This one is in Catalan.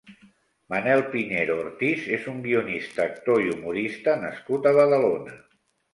Manel Piñero Ortiz és un guionista, actor i humorista nascut a Badalona.